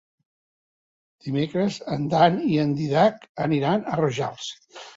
Dimecres en Dan i en Dídac aniran a Rojals.